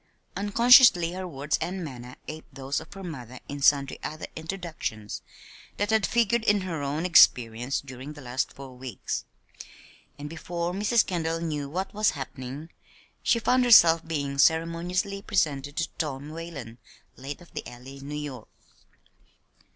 Unconsciously her words and manner aped those of her mother in sundry other introductions that had figured in her own experience during the last four weeks; and before Mrs. Kendall knew what was happening she found herself being ceremoniously presented to Tom Whalen, late of the Alley, New York.